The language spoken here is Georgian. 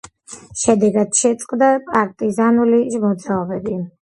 შედეგად შეწყდა პარტიზანული მოძრაობები.